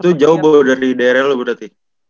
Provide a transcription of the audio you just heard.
itu jauh dari daerah lo berarti